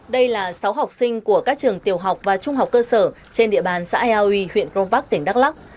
đây là sáu học sinh của các trường tiểu học và trung học cơ sở trên địa bàn xã eo uy huyện rông vắc tỉnh đắk lắc